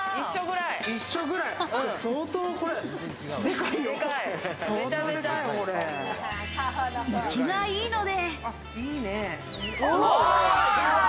活きがいいので。